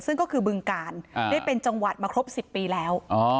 ซึ่งก็คือบึงกาลได้เป็นจังหวัดมาครบ๑๐ปีแล้ว